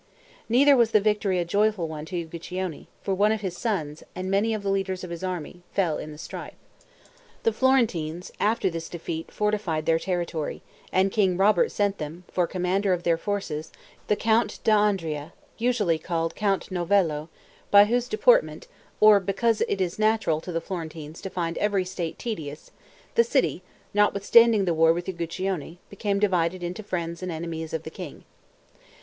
Neither was the victory a joyful one to Uguccione; for one of his sons, and many of the leaders of his army, fell in the strife. The Florentines after this defeat fortified their territory, and King Robert sent them, for commander of their forces, the Count d'Andria, usually called Count Novello, by whose deportment, or because it is natural to the Florentines to find every state tedious, the city, notwithstanding the war with Uguccione, became divided into friends and enemies of the king.